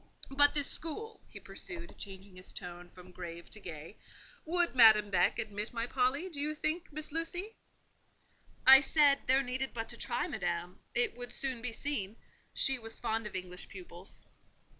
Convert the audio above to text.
But this school," he pursued, changing his tone from grave to gay: "would Madame Beck admit my Polly, do you think, Miss Lucy?" I said, there needed but to try Madame; it would soon be seen: she was fond of English pupils.